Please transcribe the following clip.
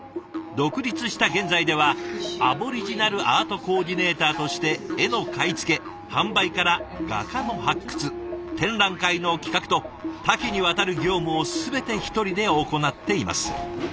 独立した現在ではアボリジナルアートコーディネーターとして絵の買い付け販売から画家の発掘展覧会の企画と多岐にわたる業務をすべて１人で行っています。